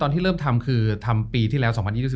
ที่เริ่มทำคือทำปีที่แล้ว๒๐๒๒